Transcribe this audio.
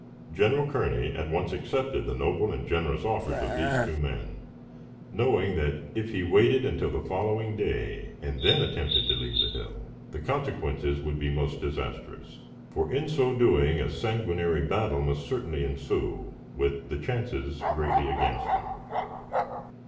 General Kearney at once accepted the noble and generous offers of these two men, knowing that if he waited until the following day and then attempted to leave the hill, the consequences would be most disastrous; for, in so doing, a sanguinary battle must certainly ensue, with the chances greatly against him.